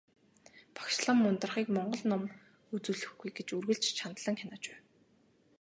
Багш лам Ундрахыг монгол ном үзүүлэхгүй гэж үргэлж чандлан хянаж байв.